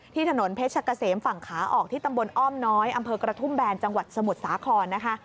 ถนนเพชรกะเสมฝั่งขาออกที่ตำบลอ้อมน้อยอำเภอกระทุ่มแบนจังหวัดสมุทรสาครนะคะ